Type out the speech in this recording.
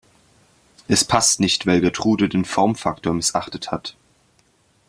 Es passt nicht, weil Gertrude den Formfaktor missachtet hat.